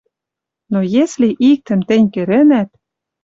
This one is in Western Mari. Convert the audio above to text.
Но если иктӹм тӹнь кӹрӹнӓт